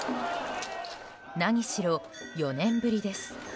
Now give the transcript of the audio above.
何しろ４年ぶりです。